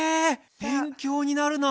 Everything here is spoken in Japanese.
勉強になるな。